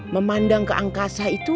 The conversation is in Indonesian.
memandang ke angkasa itu